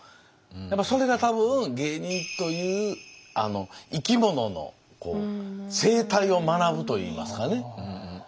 やっぱそれが多分芸人という生き物の生態を学ぶといいますかね。